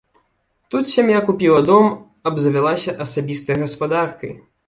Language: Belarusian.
Тут сям'я купіла дом, абзавялася асабістай гаспадаркай.